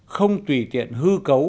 không tùy tiện hư cấu